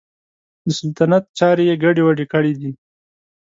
د سلطنت چارې یې ګډې وډې کړي دي.